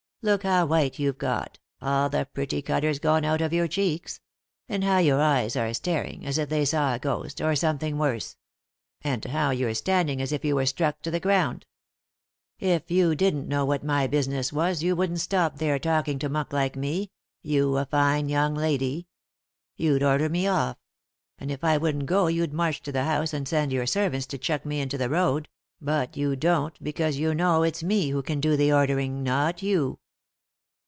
Look how white you've got, all the pretty colour's gone out of your cheeks; and how your eyes are staring, as if they saw a ghost, or something worse ; and how you're standing as if you were struck to the ground. If you didn't know what my business was you wouldn't stop there talk ing to muck like me — you, a fine young lady. You'd order me off; and if I wouldn't go you'd march to the house, and send your servants to chuck me into the road— but you don't because you know it's me who can do the ordering, not you."